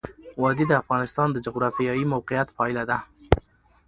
وادي د افغانستان د جغرافیایي موقیعت پایله ده.